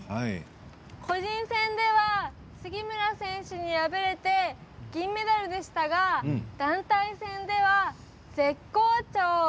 個人戦では杉村選手に敗れて銀メダルでしたが団体戦では、絶好調！